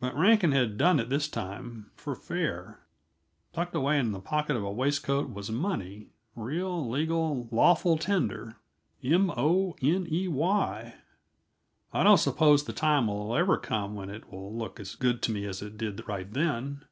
But Rankin had done it this time, for fair; tucked away in a pocket of the waistcoat was money real, legal, lawful tender m o n e y! I don't suppose the time will ever come when it will look as good to me as it did right then.